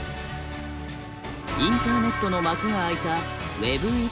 インターネットの幕が開いたＷｅｂ１．０。